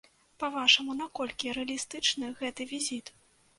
Па-вашаму, наколькі рэалістычны гэты візіт?